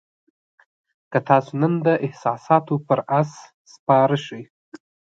که تاسو نن د احساساتو پر آس سپاره شئ.